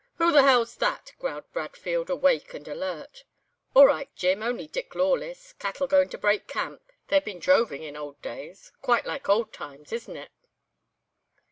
"'Who the hell's that?' growled Bradfield, awake and alert. "'All right, Jim, only Dick Lawless. Cattle going to break camp. (They had been droving in old days.) Quite like old times, isn't it?